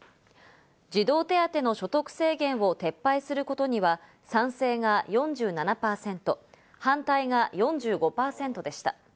児童手当の所得制限を撤廃することには、賛成が４７％、反対が４５％でした。